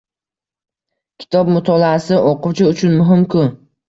Kitob mutolaasi oʻquvchi uchun muhimku.